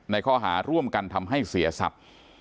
ในข้อหาร่วมกันทำให้เสียสับ